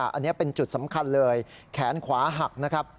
อันนี้เป็นจุดสำคัญเลยแขนขวาหักนะครับ